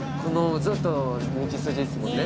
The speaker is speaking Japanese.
ずっと道筋ですもんね。